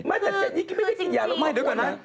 ไม่แต่เจนนี่ไม่ได้กินอย่างแล้วไม่เดี๋ยวก่อนนะ